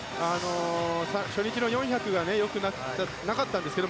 初日の４００が良くなかったんですけど